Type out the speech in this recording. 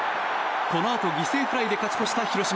このあと犠牲フライで勝ち越した広島。